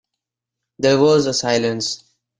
There was a silence.